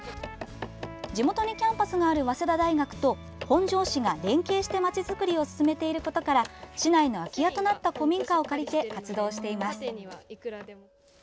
地元にキャンパスがある早稲田大学と本庄市が連携して街づくりを進めていることから市内の空き家となった古民家を借りて活動しています。